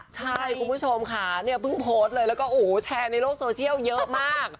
ใช่คุณผู้ชมค่ะเนี่ยเพิ่งโพสต์เลยแล้วก็โอ้โหแชร์ในโลกโซเชียลเยอะมาก